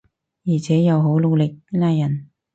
而且又好努力拉人